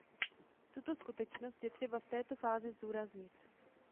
Tuto skutečnost je třeba v této fázi zdůraznit.